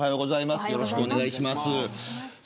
よろしくお願いします。